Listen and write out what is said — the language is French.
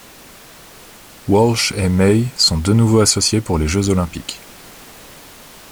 Walsh et May sont de nouveau associées pour les Jeux olympiques.